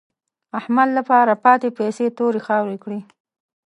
احمد له پاره پاتې پيسې تورې خاورې کړې.